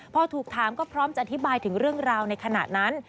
พอถูกถามก็พร้อมจะอธิบายถึงเรื่องราวในขณะนั้น